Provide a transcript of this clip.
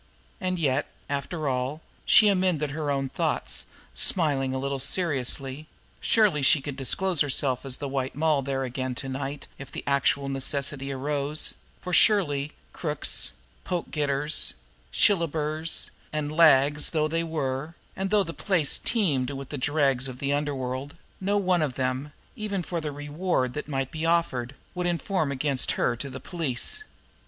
And yet, after all she amended her own thoughts, smiling a little seriously surely she could disclose herself as the White Moll there again to night if the actual necessity arose, for surely crooks, pokegetters, shillabers and lags though they were, and though the place teemed with the dregs of the underworld, no one of them, even for the reward that might be offered, would inform against her to the police!